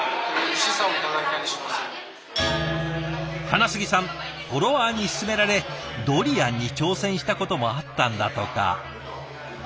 金杉さんフォロワーに勧められドリアンに挑戦したこともあったんだとか。